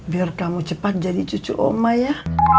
biar kamu cepat jadi cucu oma ya